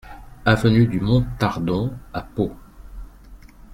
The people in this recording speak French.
Avenue de Montardon à Pau